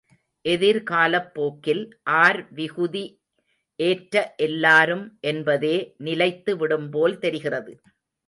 எதிர் காலப் போக்கில், ஆர் விகுதி ஏற்ற எல்லாரும் என்பதே நிலைத்து விடும்போல் தெரிகிறது.